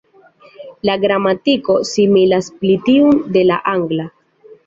La gramatiko similas pli tiun de la angla.